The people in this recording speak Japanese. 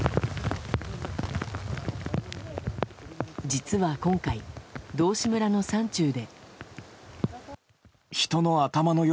実は今回、道志村の山中で。